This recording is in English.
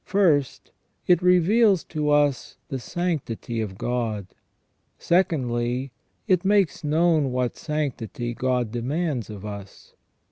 First, it reveals to us the sanctity of God. Secondly, it makes known what sanctity God demands of us.